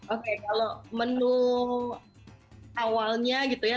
oke kalau menu awalnya gitu ya